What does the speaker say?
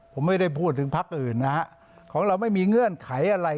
ผมไม่ได้พูดถึงพักอื่นนะฮะของเราไม่มีเงื่อนไขอะไร